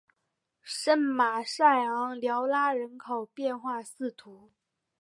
圣马塞昂缪拉人口变化图示